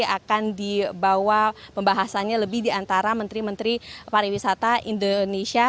akan dibawa pembahasannya lebih di antara menteri menteri pariwisata indonesia